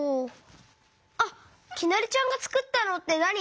あっきなりちゃんがつくったのってなに？